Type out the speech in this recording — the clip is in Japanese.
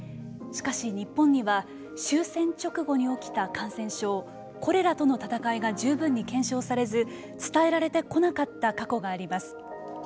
しかし、日本には終戦直後に起きた感染症コレラとの闘いが十分に検証されず伝えられてこなかった過去があります。